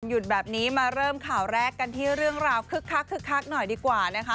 หยุดแบบนี้มาเริ่มข่าวแรกกันที่เรื่องราวคึกคักคึกคักหน่อยดีกว่านะคะ